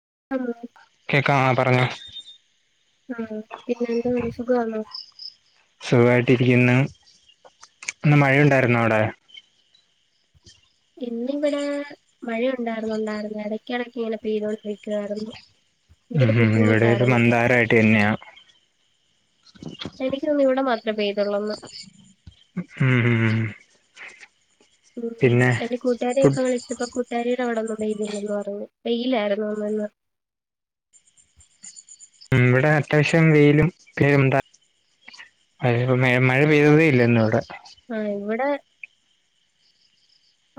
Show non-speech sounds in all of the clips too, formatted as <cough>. <unintelligible> ആ പറഞ്ഞോ ആ പിന്നെ എന്ത്‌ പറയുന്നു സുഖമാണോ? സുഖമായിട്ടിരിക്കുന്ന് ഇന്ന് മഴയുണ്ടായിരുന്നോ അവിടെ ഇന്നിവിടെ മഴയുണ്ടായിരുന്നുണ്ടായിരുന്ന് എടെക്കെടെക്ക് ഇങ്ങനെ പെയ്തൊണ്ടിരിക്കുവായിരുന്നു ഉം മ് ഇവിടെ ഒരു മന്ദാരായിട്ട് തന്നെയാ എനിക്ക് തോന്നുന്നു ഇവിടെ മാത്രേ പെയ്തുള്ളൂന്ന് മ് മ് മ് എന്റെ കൂട്ടുകാരെ ഫുഡ് ഒക്കെ വിളിച്ചപ്പോ <unintelligible> അവിടൊന്നും പെയ്തില്ലന്ന് പറഞ്ഞു വെയിലായിരുന്നുവെന്നു അന്നന്ന് ഇവിടെ അത്യാവശ്യം വെയിലും പിന്നെന്താ <unintelligible> മഴ പെയ്തതേ ഇല്ലന്നവിടെ ആഹ ഇവിടെ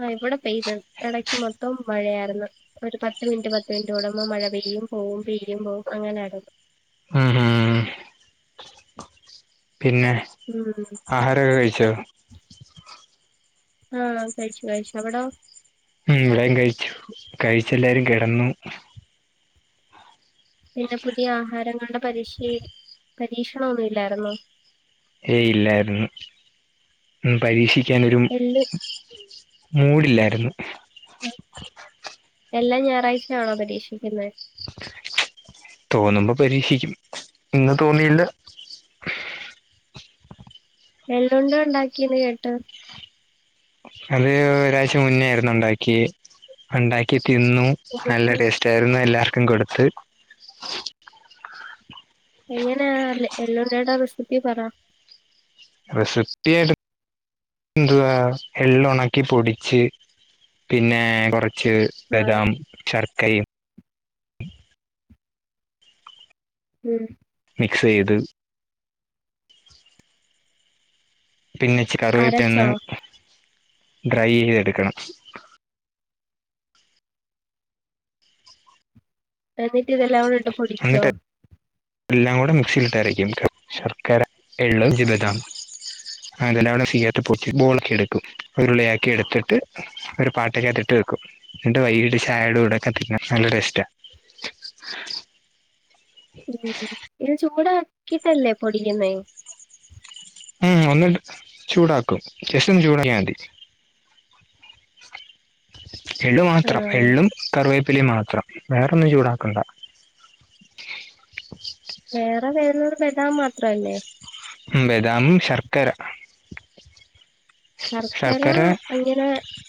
ആ ഇവിടെ പെയ്ത് എടക്ക് മൊത്തം മഴയായിരുന്നു. ഒരു പത്ത് മിനിറ്റ് പത്ത് മിനിറ്റ് കൂടുമ്പോ മഴ പെയ്യും പോവും പെയ്യും പോവും അങ്ങനെയായിരുന്ന്. മ് മ് പിന്നെ ഉം ആഹാരൊക്കെ കഴിച്ചോ ആ കഴിച്ചു കഴിച്ചു അവിടോ മ് ഇവിടെകഴിച്ചു കഴിച്ചു പിന്നെ പുതിയ ആഹാരം നമ്മുടെ പരീഷേല് പരീക്ഷണം ഒന്നും ഇല്ലായിരുന്നോ ഏയ് ഇല്ലായിരുന്നു. മ് പരീക്ഷ ക്കാനൊരു എള്ള് മൂടില്ലായിരുന്നു ഉ എല്ലാം ഞായറാഴ്ചയാണോ പരീക്ഷിക്കുന്നത് തോന്നുമ്പ പരീക്ഷിക്കും ഇന്ന് തോന്നിയില്ല എള്ളുണ്ട ഉണ്ടാക്കീന്ന് കേട്ട് അത് ഒരാഴ്ച മുന്നോയിരുന്നു ഉണ്ടാക്കി ഉണ്ടാക്കി തിന്നു നല്ല ഉം. ടേസ്റ്റ് ആയിരുന്നു എല്ലാവർക്കും കൊടുത്ത എങ്ങനാ അല്ലേ എല്ലോണയുടെ ഇക്ക പറ റെസിപ്പിയായിട്ട എതുവാ എള്ള ഉണക്കി പൊടിച്ച് പിന്നെ കൊറച്ച് ച്ച് ആഹ് ബദാം ശർക്കൈ ഉ ഉം മിക്സ് ചെയ്ത് പിന്നെച്ച അരച്ചോ? കറിവപ്പന്ന് ഡ്രൈ ചെയ്തെടുക്കണം എന്ന എന്നിട്ട് ഇതെല്ലാം കടെ ഇണ്ട് പൊടിച്ചോ എന്നിട്ട് എല്ലാം കൂടെ മിക്സിൽ ഇിട്ടരരിക്കും ശർക്കര എള്ളവും ജിബദാം അതെല്ലാം കൂടെ സീ്യാത്ത് പൊട്ട ബോളൊക്കെ എടുക്കും ഉരുളിയക്കി എടുത്തിട്ട് ഒരു പാട്ടൊക്കെ അത്തിട്ട് വെക്കും എന്നിട്ട് വൈകട്ട ചാഡും ഇവിടെൊക്കെ ക്കണം നല്ല രസ്റ്റാ ഉ ഇ ചൂട കട്ടല്ലേ പൊടിയന്ന ഉം ഒന്ന് ചൂടാക്കും ജെസ്ും ചൂടങ്ങാ മതി എള്ളു മാത്രം ആഹ് എള്ളും കറിവേപ്പ പ്പി മാത്രം വേറൊന്നും ചൂടാക്കണ്ട വേറെ വേ പേതാ മാ അത്രല്ലേ ബെദാം ശർക്കര ശർക്കര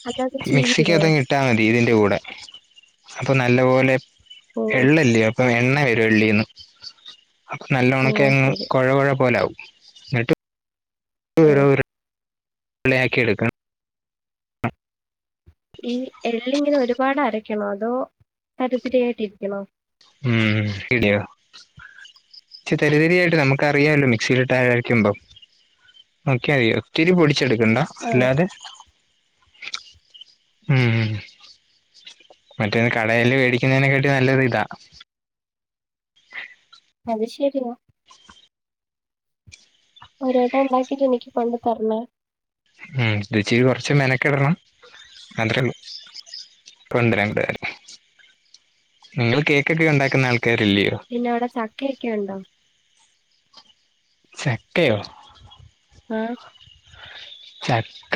അല്ലാതെ ചീവിയിടോ? മിക്സിക്കകത് കിട്ടാൽ മതി ഇതിന്റെ കൂടെ അപ്പൊ നല്ല പോലെ ഓഹ് എള്ളല്ല അപ്പം എണ് വരുവള്ളിന്ന് അപ്പൊ നല്ല ഓഹ് ഉണക്കെങ്ങ് ശരി കുഴ കുഴ പോലാകും നട്ട ആഹ് <unintelligible> പളയാക്കി എടുക്കണം ഈ എല്ലിങ്ങനെ ഒരുപാട് അരക്കണോ അതോ തരിപരിയായിട്ട്ിരിക്കണോ ഉം ഇടിയോ പ തെരിതെറായിട്ട് നമുക്ക്റിയാമല്ലോ മിക്സിയിലിട്ട് ആരിക്കുമ്പം നോക്കിയറിയോ ഒത്തിരി പൊടി ച്ചെടുക്കണ്ട ആഹ് അല്ലാതെ ഹും മറ്റേ കടയില് മേടിക്കുന്നതിനെക്കാട്ടി നല്ലത് ഇതാ <inaudible> അത് ശരിയാ ഒരു വട്ടം ഉണ്ടാക്കിട്ട് എനിക്ക് കൊണ്ട് തരണേ ആ ഇച്ചിരി കുറച്ച് മെനക്കെടണം മാത്രേള്ളൂ കൊണ്ടരാ <unintelligible> നിങ്ങൾ കേക്കൊക്കെ ഉണ്ടാക്കുന്ന ആള പിന്നെ അവിടെ ചക്കയൊക്കെ ഉണ്ടോ ചക്കയോ ആ ചക്ക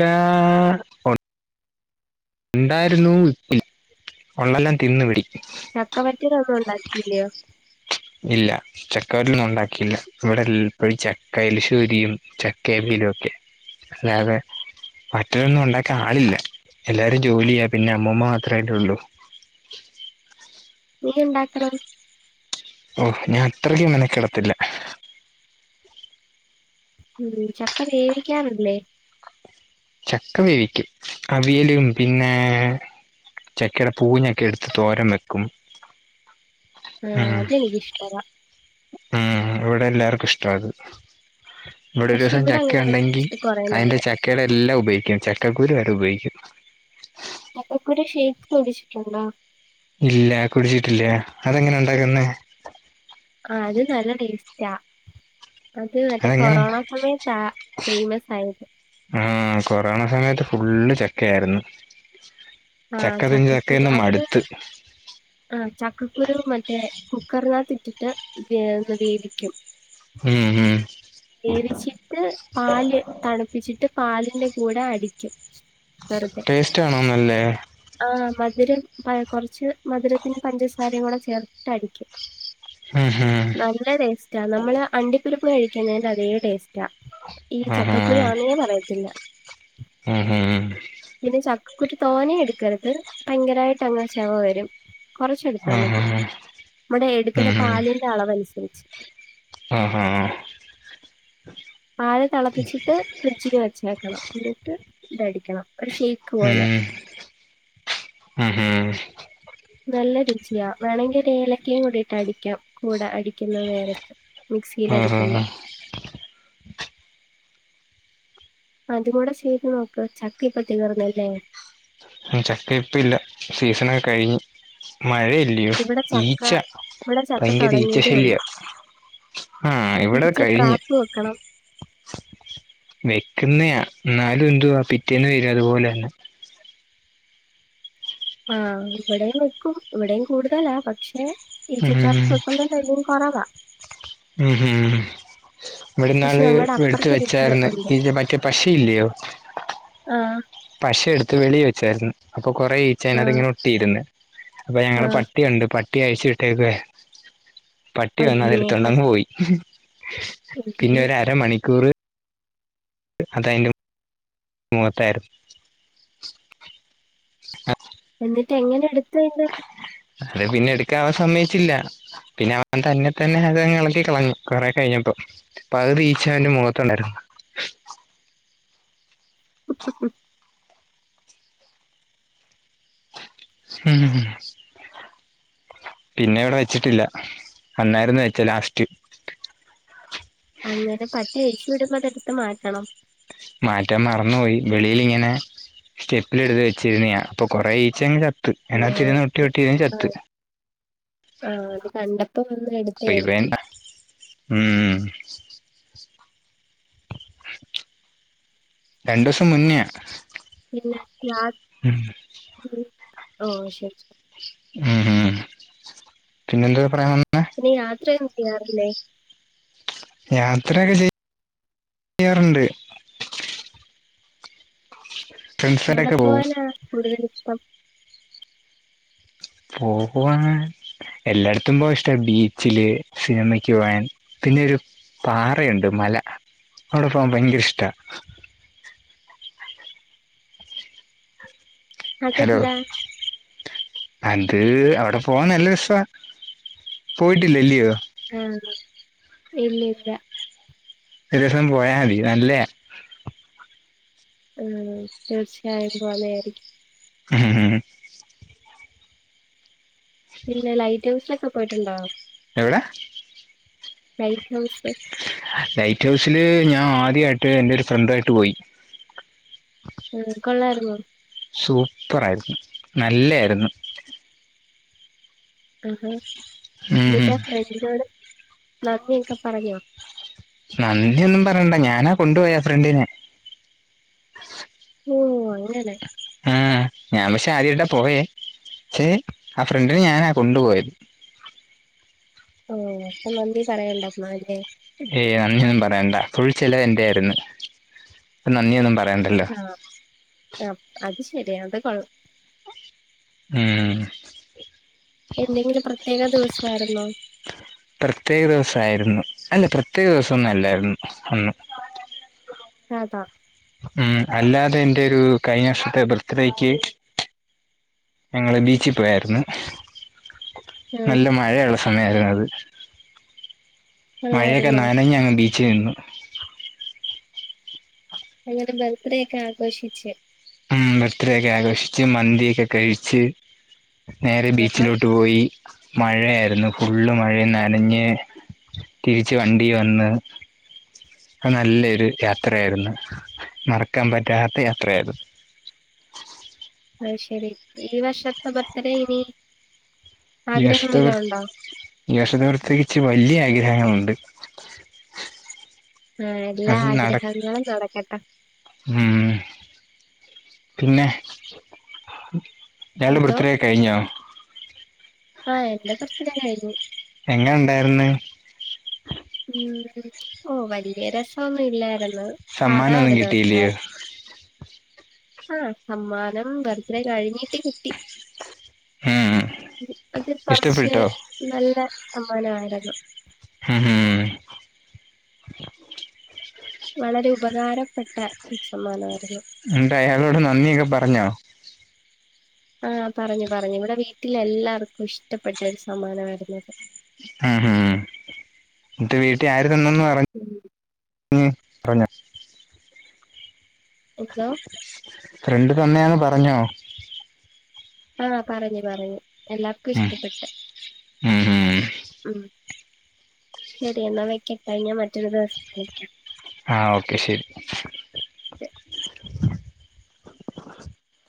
ഇണ്ടായിരുന്നു ഇ <unintelligible> ഉള്ളെല്ലാം തിന്ന് വിടി ചക്കവറ്റിൽ ഒന്നും ഉണ്ടാക്കില്ലയോ ഇല്ല ചക്കവറ്റിലൊന്നും ഉണ്ടാക്കിയില്ല ഇവിടെ എല്ലപ്പോഴും ചക്കലശ്ശൂരിയും ചക്കവിയലും ഒക്കെ അല്ലാതെ മറ്റതൊന്നും ഉണ്ടാക്കാൻ ആളില്ല എല്ലാരും ജോലിയാ പിന്നെ അമ്മമ്മ മാത്രല്ലേള്ളൂ നീ ഉണ്ടാക്കണം ഓഹ് ഞാൻ അത്രക്ക് മെനക്കെടത്തില്ല ഉം ചക്ക വേവിക്കാറില്ലേ ചക്ക വേവിക്കും അവിയലും പിന്നെ ചക്കയുടെ പൂഞ്ഞൊക്കെ എടുത്ത് തോരൻ വെക്കും ആ ഉം അതെനിക്ക് ഇഷ്ടവാ ഉം ഇവിടെ എല്ലാർക്കും ഇഷ്ടവാത് ഇവിടെ ഒരു പക്ഷെ ദിവസം ചക്ക അങ്ങനെ ഉണ്ടെങ്കി വെച്ചിട്ട് കൊറേ അതിന്റെ നാളായി ചക്കയുടെ എല്ലാം ഉപയോഗിക്കും ചക്കക്കുരു വരെ ഉപയോഗിക്കും ചക്കക്കുരു ഷേക്ക്‌ കുടിച്ചിട്ടുണ്ടോ ഇല്ല കുടിച്ചിട്ടില്ല അതെങ്ങനെ ഉണ്ടാക്കുന്നെ ആ അത് നല്ല ടേസ്റ്റാ അത് മറ്റേ അതെങ്ങനെ കൊറോണ സമയത്താ ഫേമസ് ആയത് ആ കൊറോണ സമയത്ത് ഫുള്ള് ചക്ക ആയിരുന്നു ആ ചക്കക്കുരു അത് ആ ചക്കക്കുരു മറ്റേ കുക്കറിനാത്ത് ഇട്ടിട്ട് വേവിക്കും ഉം ഉം വേവിച്ചിട്ട് പാല് തണുപ്പിച്ചിട്ട് പാലിന്റെ കൂടെ അടിക്കും ടേസ്റ്റ് ആണോ നല്ലേ ആ മധുരം പ കുറച്ച് മധുരത്തിന് പഞ്ചസാ അരികൂടെ ചേർത്തിട്ട് അടിക്കും ഉം ഹും നല്ല ടേസ്റ്റ നമ്മള് അണ്ടി പ്പരിപ്പ് കഴിക്കുന്നതിന്റെ അതേ ടേസ്റ്റാ ഈ ആഹാ ചക്കക്കുരു ആന്നേ പറയത്തില്ല ഉം ഹും പിന്നെ ചക്ക കുറച്ചു തോനെയെടു ക്കരുത് ഭയങ്കരമായിട്ട് അങ്ങ് ചൊവ വരും കുറച്ചെടുത്താ മതി ആഹാ നമ്മടെ എടുക്കുന്ന ഉം ഹും പാലിന്റെ അളവനുസരിച്ച് ആഹാ പാല് തിളപ്പിച്ചിട്ട് ഫ്രിഡ്ജില് വെച്ചേക്കണം എന്നിട്ട് ഇതടിക്കണം ഒരു ഷേക്ക് പോലെ ഉം ഹും ഹു വേണങ്കി ഒരു ഏലക്കയും കൂടിട്ട് അടിക്കാം കൂടെ അടിക്കുന്ന നേരത്ത് ആഹാ മിക്സിയിലടിക്കുമ്പ അതും കൂടെ ചെയ്ത് നോക്ക് ചക്ക ഇപ്പ തീർന്നില്ലേ ചക്ക ഇപ്പ ഇല്ല സീസണൊക്കെ കഴിഞ്ഞ് മഴയല്ലിയോ ഇവിടെ ചക്ക ഈച്ച ഇവിടെ ചക്ക ഭയങ്കര ഈച്ച തൊടങ്ങിയതേ ശല്യാ ഒള്ളൂ. ആഹ് ഇവിടെ ഈച്ച കഴിഞ്ഞ് ട്രാപ്പ് വെക്കണം. വെക്കുന്നെയാ എന്നാലും എന്തുവാ പിറ്റേന്നന്ന് വരും അതുപോലെ തന്നെ ആഹ് ഇവിടെയും വെക്കും ഇവിടെയും കൂടുതലാ പക്ഷെ ഈച്ച ട്രാപ്പ് വക്കുന്ന ടൈമില് കുറവാ ഉ ഹം പക്ഷെ ഇവിടുന്നാള് ഞങ്ങടെ എടുത്ത് അപ്പറത്തെ വീട്ടില് വെച്ചായിർന്ന് ഉണ്ട്. ഇ മറ്റേ പശയില്ലയോ ആഹ്. പശ എടു ത്ത് വെളിയി വെച്ചായിരുന്നു അപ്പൊ കുറേ ഈച്ച അതിനകത്ത് ആഹ്. ഇങ്ങനെ ഒട്ടിയിരുന്ന് അപ്പൊ ഞങ്ങളെ ആഹ്. പട്ടിയുണ്ട് പ ട്ടിയെ അഴിച്ചിട്ടേക്ക പട്ടി വന്ന അതി അയ്യോ! പട്ട് ത്തണ്ടങ്ങ് പോയി അയ്യോ! പിന്നെ ഒരു അരമണിക്കൂറ് അതയ്ന്റെ മുഖത്തായിരുന്നു അ എന്നിട്ടെങ്ങനെ എടു ത്തുഅയ്‌ന്റെ അത് പിന്നെ എടുക്ക അവൻ സമ്മയിച്ചില്ല പിന്നെ അവൻ തന്നെ തന്നെ അത ഇളക്കി കളഞ്ഞു കൊറേ കഴിഞ്ഞപ്പോ പകുതി ഈച്ച അവന്റെ മുഖത്തുണ്ടായിരുന്നു മംപിന്നെ ഇവിടെ വെച്ചിട്ടില്ല അന്നായിരുന്ന് വെച്ച ലാസ്റ്റ് അങ്ങനെ പട്ടിയെ അഴിച്ചു വിടുമ്പോ അതെടുത്ത് മാറ്റണം മാറ്റാൻ മറന്നു പോയി വെളിയിൽ ഇങ്ങനെ സ്റ്റെപ്പില് എടുത്ത് വെച്ചിരുന്ന് ഞാൻ അപ്പൊ കൊറേ ഈച്ച അങ്ങ് ച ത്ത് എന്ന ഓഹ്. ത്തിരുന്നുഒട്ടി ശരി. ഒട്ടി ഇരുന്ന് ചത്ത് ആഹ്. ആഹ്. അത് കണ്ടപ്പോ വന്ന് ഇവൻ എടുത്തയായിരിക്കും. വേണ്ട രണ്ടു ദിവസം മുന്നെയാ പിന്നെ രാത് ഉം ത്രിഉം ഓ ശരി ശരി ഉം ഉം പിന്നെ എന്തൊക്കെ പറയാൻ വന്നെ പിന്നെ ഈ രാത്രി ഒ യ്യാറില്ലേ യാത്രൊക്കെ ചെയ് യാറുണ്ട് എവിടെ പോവും പോവാനാ കൂടുതല് ഇഷ്ടം പോകുവാൻ എല്ലായിടത്തും പോവാൻ ഇഷ്ടാ ബീച്ചില് സിനിമക്ക് പോകാൻ പിന്നൊരു പാറയുണ്ട് മല അവിടെ പോകാൻ ഭയങ്കര ഇഷ്ടാ ഹലോ അതെന്താ അത് അവിടെ പോവാൻ നല്ല രസവാ പോയിട്ടില്ല ഇല്ലിയോ ആഹ് ഇല്ലില്ല ഒരു ദിവസം പോയാ മതി നല്ലയാ ഉം തീർച്ചയായും പോകുന്നതായിരിക്കും <unintelligible> പിന്നെ ലൈറ്റ് ഹൗസിലൊ ക്കെ പോയിട്ടുണ്ടോ എവിട ലൈറ്റ് ഹൗസ് ലൈറ്റ് ഹൗസില് ഞാൻ ആ ദ്യായിട്ട് എന്റെ ഒരു ഫ്രണ്ടായിട്ട് പോയി ഉം കൊള്ളാരുന്നോ സൂപ്പർ ആയിരുന്നു നല്ലയായിരുന്നു ആഹാ ഉം ഉം എന്നിട്ടാ ഫ്രണ്ടിനോട് നന്ദിക്കെ പറഞ്ഞോ നന്ദിയൊന്നും പറയണ്ട ഞാനാ കൊണ്ടു പോയെ ആ ഫ്രണ്ടിനെ ഓ അങ്ങനെ ആ ഞാൻ പക്ഷെ ആദ്യായിട്ടാ പോയേ പക്ഷെ ആ ഫ്രണ്ടിനെ ഞാനാ കൊണ്ടുപോയത് ഓ അപ്പ നന്തി പറയണ്ട ന്നാ ലേ ഏയ് നന്ദിയൊന്നും പറയണ്ടാ ഫുൾ ചെലവ് എന്റെ ആയിരുന്നു അപ്പ നന്ദിയൊന്നും പ ആ അപ് അത് ശരിയാ അത കൊള്ളാം ഉം എന്തെങ്കിലും പ്രത്യേക ദിവസമായിരുന്നോ പ്രത്യേക ദിവസായിരുന്നു അല്ല പ്രത്യേക ദിവസമൊന്നും അല്ലായിരുന്നു അന്നു അതാ ഉം അല്ലാതെ എന്റെ ഒരു കഴിഞ്ഞ വർഷത്തെ ബർത്ത്ഡേക്ക് ഞങ്ങള് ബീച്ചിൽ പോയായിരുന്നു ആഹ് നല്ല മഴയുള്ള സമയായിരുന്നു അത് മഴയൊക്കെ കൊള്ളായിരുന്നോ? നനഞ്ഞാണ്ടി ചെന്നു അങ്ങനെ ബർത്ത്ഡേ ഒക്കെ ആഘോഷിച്ച് ഉം ബർത്ത്ഡേ ഒക്കെ ആഘോഷിച്ച് മന്തിയൊക്കെ കഴിച്ച് നേരെ ആഹാ ബീച്ചിലോട്ട് പോയി മഴയായിരുന്നു ഫുള്ള് മഴനനഞ്ഞ് തിരിച്ച് വണ്ടി വന്ന് അ നല്ലൊരു യാത്രയായിരുന്നു മറക്കാൻ പറ്റാത്ത യാത്രയായിരുന്നു അയ്ശരി ഈ വർഷതെ ബർത്ത് ഡേ ഇനി ആഗ്രഹം ഇഷ്ടം വല്ലോം ഉണ്ടോ? ഇഷ്ടത്തെക്കുറിച്ച് വല്ല്യ അഗ്രഹങ്ങളുണ്ട് ഉം എല്ലാ ആഗ്രഹങ്ങളും നടക്കട്ടെ ഉം പിന്നെ എല്ലാരും എന്തോ? ബർത്ത്ഡേ കഴിഞ്ഞോ ഡേ കഴിഞ്ഞ് എങ്ങനെ ണ്ടായിര്ന്ന് ഉം ഓ വല്ല്യ രസന്നും ഇല്ലായിരുന്നു സാധാ സമ്മാനമൊന്നും ഒരു കിട്ടിയില്ലയോ ദിവസായിരുന്നു ആ സമ്മാനം ബർത്ത്ഡേ കഴിഞ്ഞിട്ട് കിട്ടി ഉം അത് കുറച്ച് ഇഷ്ടപ്പെട്ടോ നല്ല സമ്മാനമായി അ <unintelligible> ഉം ഉം വളരെ ഉപകാരപ്പെട്ട ഒരു സമ്മാനമായിരുന്നു എന്താ അയാളോട് നന്ദിയൊക്കെ പറഞ്ഞോ ആ പറഞ്ഞു പറഞ്ഞു ഇവിടെ വീട്ടിൽ എല്ലാർക്കും ഇഷ്ടപ്പെട്ട ഒരു സമ്മാനമായിരുന്നു അത് ഉം ഉം ന്റെ വീട്ടില് ആയി ന്നെന്നു പറഞ്ഞ് ഉം ഉം പറഞ്ഞ് എന്തോ ഫ്രണ്ട് തന്നെയാന്ന് പറഞ്ഞോ ആ പറഞ്ഞു പറഞ്ഞു എല്ലാർക്കും ഉം ഇഷ്ടപ്പെട്ട് ഉം ഉം ഉം ശരി എന്നാ വെക്കട്ടെ ഞാൻ മറ്റൊരു ദിവസം വിളിക്കാം ആ ഓക്കെ ശരി